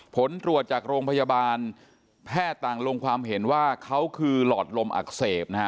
ผลตรวจจากโรงพยาบาลแพทย์ต่างลงความเห็นว่าเขาคือหลอดลมอักเสบนะฮะ